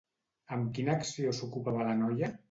Amb quina acció s'ocupava la noia?